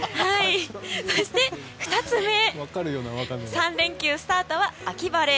そして、２つ目３連休スタートは秋晴れ。